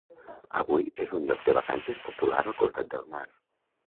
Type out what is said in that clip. Avui és un lloc de vacances popular al costat del mar.